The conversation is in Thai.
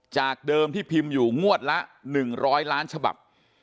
จากเดิมที่พิมพ์อยู่งวดละหนึ่งร้อยล้านฉบับ